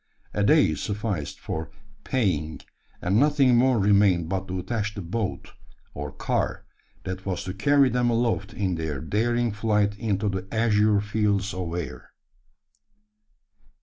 A day sufficed for "paying;" and nothing more remained but to attach the "boat," or "car," that was to carry them aloft in their daring flight into the "azure fields of air."